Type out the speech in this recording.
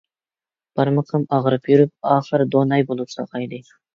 بارمىقىم ئاغرىپ يۈرۈپ ئاخىر دوناي بولۇپ ساقايدى.